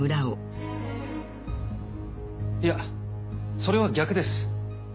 いやそれは逆です。